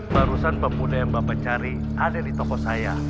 barusan mbak muda yang mbak pencari ada di toko saya